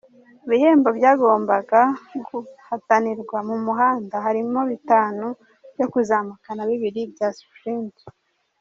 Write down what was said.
Ibihembo byagombaga guhatanirwa mu muhanda harimo bitanu byo kuzamuka na bibiri bya sprint.